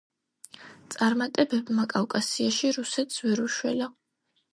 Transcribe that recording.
წარმატებებმა კავკასიაში რუსეთს ვერ უშველა.